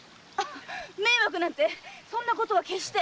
迷惑なんてそんなことは決して！